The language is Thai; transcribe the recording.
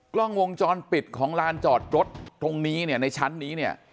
กล้องวงจรปิดของลานจอดรถตรงนี้เนี่ยในชั้นนี้เนี่ย